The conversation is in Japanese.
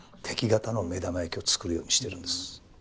敵方の目玉焼きを作るようにしてるんです。